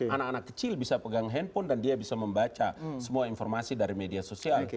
anak anak kecil bisa pegang handphone dan dia bisa membaca semua informasi dari media sosial